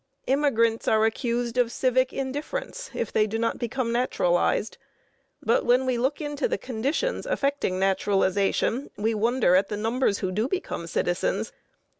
Immigrants are accused of civic indifference if they do not become naturalized, but when we look into the conditions affecting naturalization we wonder at the numbers who do become citizens.